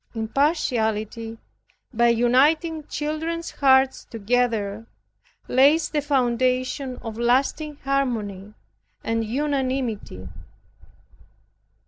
Impartiality, by uniting children's hearts together, lays the foundation of lasting harmony and unanimity.